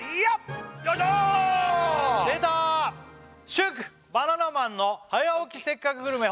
祝「バナナマンの早起きせっかくグルメ！！」